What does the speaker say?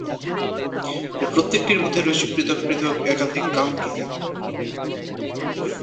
এর প্রত্যেকটির মধ্যে রয়েছে পৃথক পৃথক একাধিক কাউন্টার।